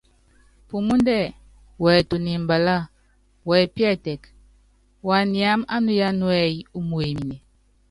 Pumúndɛ́ wɛɛtunu mbaláa, wɛpíɛ́tɛk, waniáma á nuya núɛ́yí umuemine.